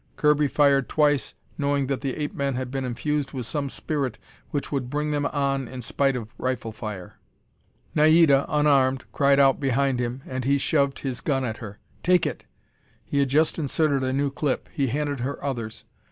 Kirby fired twice, knowing that the ape men had been infused with some spirit which would bring them on in spite of rifle fire. Naida, unarmed, cried out behind him, and he shoved his gun at her. "Take it!" He had just inserted a new clip. He handed her others.